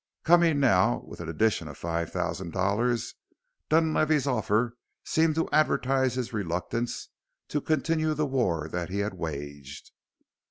Coming now, with an addition of five thousand dollars, Dunlavey's offer seemed to advertise his reluctance to continue the war that he had waged.